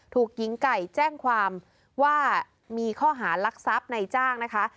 ถูกหญิงไก่แจ้งความว่ามีข้อหารักทรัพย์ในจ้างนะคะ